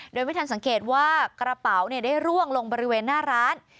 โดยไม่ทันสังเกตว่ากระเป๋าได้ร่วงลงบริเวณหน้าร้าน